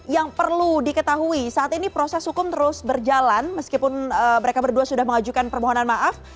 yang perlu diketahui saat ini proses hukum terus berjalan meskipun mereka berdua sudah mengajukan permohonan maaf